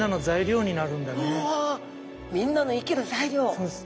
そうです。